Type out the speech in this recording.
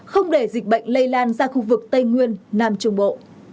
không để dịch bệnh lây lan ra khu vực tây nguyên nam trung bộ